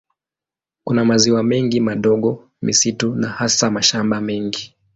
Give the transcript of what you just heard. Kuna maziwa mengi madogo, misitu na hasa mashamba mengi.